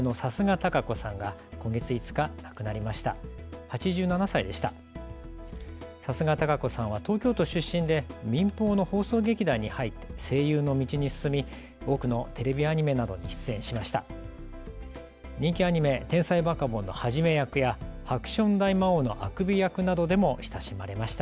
貴家堂子さんは東京都出身で民放の放送劇団に入って声優の道に進み、多くのテレビアニメなどに出演しました。